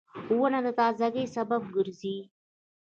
• ونه د تازهګۍ سبب ګرځي.